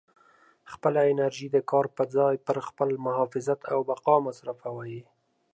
خپله انرژي د کار په ځای پر خپل محافظت او بقا مصروفوئ.